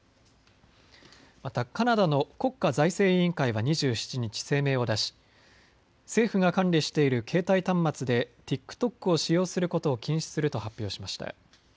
またカナダの国家財政委員会は２７日、声明を出し政府が管理している携帯端末でＴｉｋＴｏｋを使用することを禁止すると発表しました。